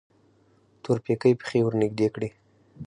تورپيکۍ پښې ورنږدې کړې.